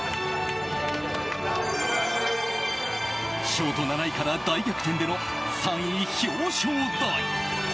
ショート７位から大逆転での３位表彰台！